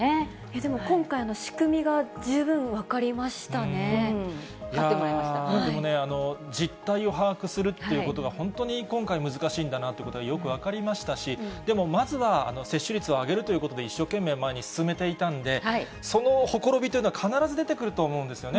でも今回の仕組みが十分分かでもね、実態を把握するということが、本当に今回、難しいんだなということがよく分かりましたし、でも、まずは、接種率を上げるということで、一生懸命前に進めていたんで、そのほころびというのは、必ず出てくると思うんですよね。